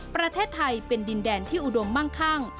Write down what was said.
ประเทศไทยเป็นดินแดนที่อุดมมั่งคั่ง